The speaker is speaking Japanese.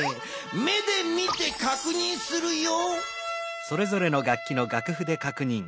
目で見てかくにんするよ。